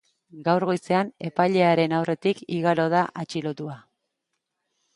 Gaur goizean epailearen aurretik igaro da atxilotua.